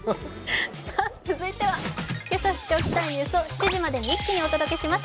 続いてはけさ知っておきたいニュースを７時までに一気にお届けします。